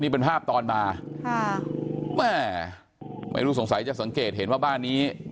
นี่เป็นภาพตอนมาค่ะแม่ไม่รู้สงสัยจะสังเกตเห็นว่าบ้านนี้